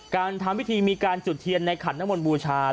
การทำพิธีมีการจุดเทียนในขันนมลบูชา